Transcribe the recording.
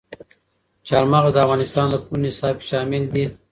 چار مغز د افغانستان د پوهنې نصاب کې شامل دي.